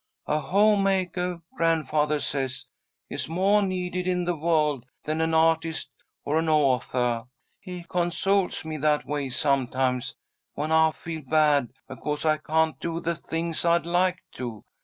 A home makah, grandfathah says, is moah needed in the world than an artist or an authah. He consoles me that way sometimes, when I feel bad because I can't do the things I'd like to.